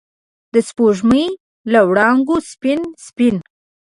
د سپوږمۍ له وړانګو سپین، سپین